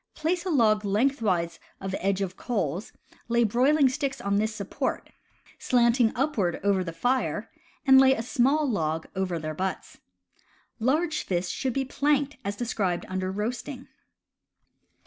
Place a log lengthwise of edge of coals, lay broiling sticks on this support, slanting upward over the fire, and lay a small log over their butts. Large fish should be planked as described under Roasting.